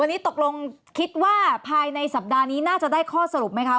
วันนี้ตกลงคิดว่าภายในสัปดาห์นี้น่าจะได้ข้อสรุปไหมคะ